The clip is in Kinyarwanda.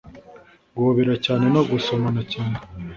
guhobera cyane no gusomana cyane